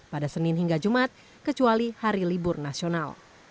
pada senin hingga jumat kecuali hari libur nasional